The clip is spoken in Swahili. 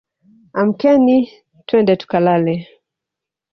Amkeni twende tukalale